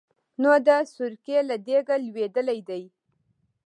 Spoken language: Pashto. نو د سرکې له دېګه لوېدلی دی.